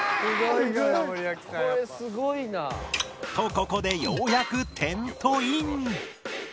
ここでようやくテント ｉｎ